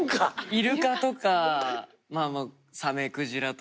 イルカとかまあまあサメクジラとか。